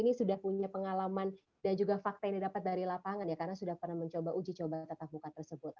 ini sudah punya pengalaman dan juga fakta yang didapat dari lapangan ya karena sudah pernah mencoba uji coba tetap buka tersebut